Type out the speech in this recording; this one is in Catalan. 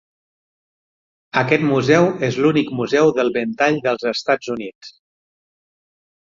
Aquest museu és l'únic museu del ventall dels Estats Units.